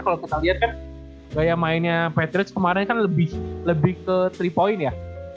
kalau kita lihat kan gaya mainnya patrick kemarin kan lebih ke tiga point ya